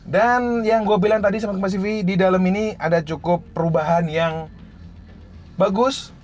dan yang gua bilang tadi sambat kebasi v di dalam ini ada cukup perubahan yang bagus